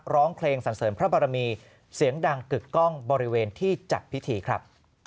ร้องเพลงสันเสริมพระบารมีเสียงดังกึกกล้องบริเวณที่จัดพิธีครับ